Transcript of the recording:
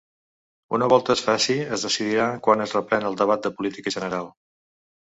Una volta es faci es decidirà quan es reprèn el debat de política general.